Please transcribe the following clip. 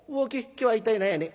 今日は一体何やねん？」。